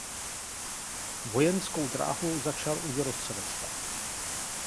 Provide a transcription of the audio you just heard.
Vojenskou dráhu začal u dělostřelectva.